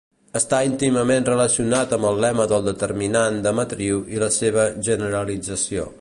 Està íntimament relacionat amb el lema del determinant de matriu i la seva generalització.